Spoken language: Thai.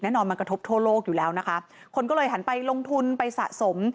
แน่นอนมันกระทบทั่วโลกอยู่แล้วนะคะคนก็เลยหันไปลงทุนไปสะสม